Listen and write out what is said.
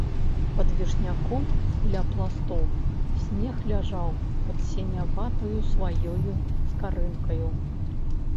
Пад вішняком ля пластоў снег ляжаў пад сіняватаю сваёю скарынкаю.